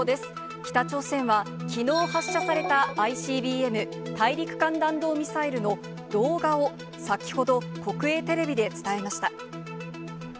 北朝鮮は、きのう発射されたＩＣＢＭ・大陸間弾道ミサイルの動画を先ほど、国営テレビで伝えました。